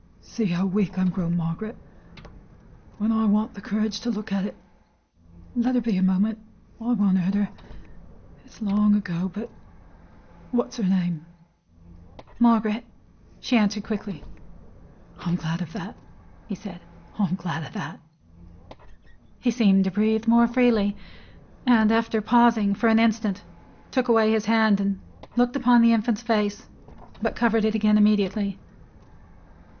"See how weak I'm grown, Margaret, when I want the courage to look at it! Let her be, a moment. I won't hurt her. It's long ago, but What's her name?" "Margaret," she answered quickly. "I'm glad of that," he said. "I'm glad of that!" He seemed to breathe more freely; and after pausing for an instant, took away his hand, and looked upon the infant's face. But covered it again, immediately.